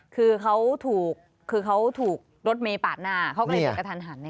คือเขาถูกรถเมล์ปาดหน้าเขาก็เลยเป็นกระทันหัน